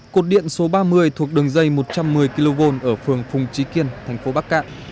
cột điện số ba mươi thuộc đường dây một trăm một mươi kv ở phường phùng trí kiên thành phố bắc cạn